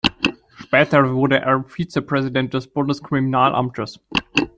Später wurde er Vizepräsident des Bundeskriminalamtes.